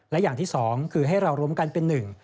และอย่างที่สองคือให้เรารวมกันเป็นหนึ่ง